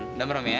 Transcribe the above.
nggak merem ya